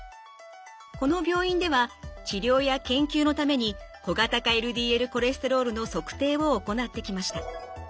この病院では治療や研究のために小型化ＬＤＬコレステロールの測定を行ってきました。